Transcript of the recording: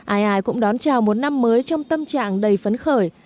ai ai cũng đón chào một năm mới trong tâm trạng đầy phấn khởi